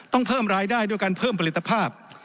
เพิ่มรายได้ด้วยการเพิ่มผลิตภาพ